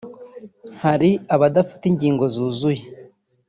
hari abadafite ingingo zuzuye